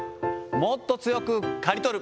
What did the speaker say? もっと強く刈り取る。